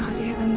makasih ya tante